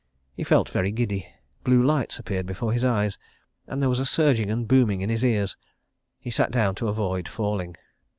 He felt very giddy, blue lights appeared before his eyes, and there was a surging and booming in his ears. He sat down, to avoid falling.